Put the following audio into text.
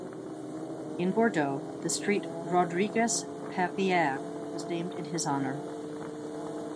In Bordeaux the street "Rodrigues-Pereire" was named in his honor.